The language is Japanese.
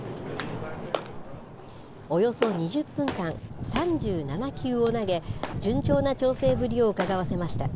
およそ２０分間、３７球を投げ、順調な調整ぶりをうかがわせました。